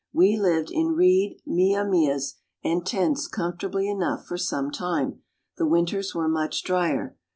We lived in reed mia mias and tents comfortably enough for some time. The winters were much drier.